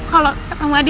kalo ketemu adi